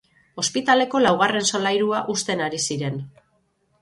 Ospitaleko laugarren solairua husten ari ziren.